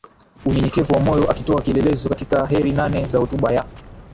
unyenyekevu wa moyo akitoa kielelezo katika Heri Nane za hotuba ya